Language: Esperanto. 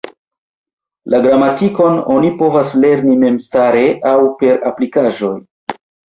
La gramatikon oni povas lerni memstare aŭ per aplikaĵoj.